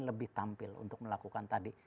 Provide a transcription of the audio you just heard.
lebih tampil untuk melakukan tadi